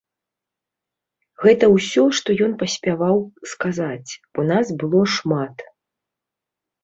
Гэта ўсё, што ён паспяваў сказаць, бо нас было шмат.